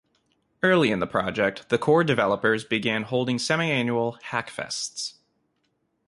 Early in the project, the core developers began holding semi-annual "Hackfests".